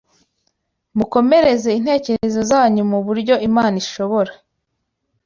Mukomereze intekerezo zanyu mu buryo Imana ishobora